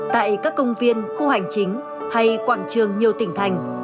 tại các công viên khu hành chính hay quảng trường nhiều tỉnh thành